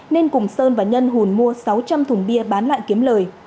nên cùng sơn và nhân hùn mua sáu trăm linh thùng bia bán lại kiếm lời